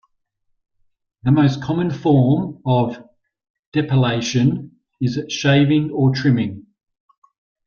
The most common form of depilation is shaving or trimming.